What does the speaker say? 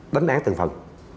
đánh án từng phần